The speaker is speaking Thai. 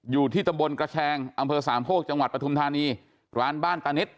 อยู่ที่ตำบลกระแชงอสามโภคจปทุมธานีร้านบ้านตาเน็ต